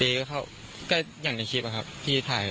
ตีก็เข้าใกล้อย่างในคลิปอ่ะครับที่ถ่ายเลย